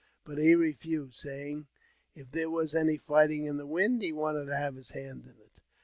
But he refused, saying, if there was any fighting in the wind, he wanted to have his hand in it.